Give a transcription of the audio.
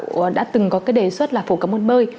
đào tạo đã từng có đề xuất là phổ cập muôn bơi